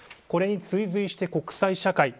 これに追随して国際社会。